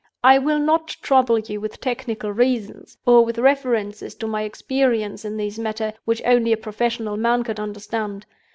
I will not trouble you with technical reasons, or with references to my experience in these matters, which only a professional man could understand.